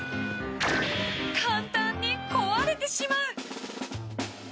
簡単に壊れてしまう！